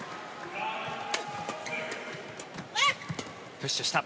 プッシュした。